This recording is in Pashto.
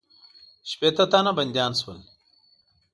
شپېته تنه بندیان شول.